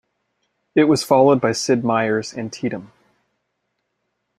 It was followed by Sid Meier's Antietam!